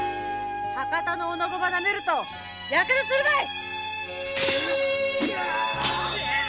博多の女子ばなめると火傷するばい！